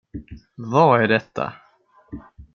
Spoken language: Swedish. Vad är detta?